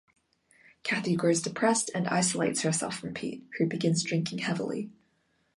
Kathy grows depressed and isolates herself from Pete, who begins drinking heavily.